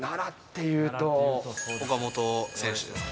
岡本選手ですかね。